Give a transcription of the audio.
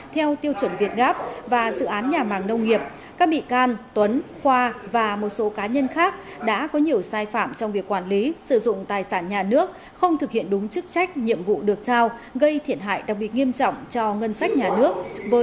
theo tiêu chuẩn việt gáp và dự án nhà màng nông nghiệp các bị can tuấn khoa và một số cá nhân khác đã có nhiều sai phạm trong việc quản lý sử dụng tài sản nhà nước không thực hiện đúng chức trách nhiệm vụ được giao gây thiệt hại đặc biệt nghiêm trọng cho ngân sách nhà nước